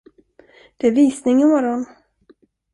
Det är visning i morgon.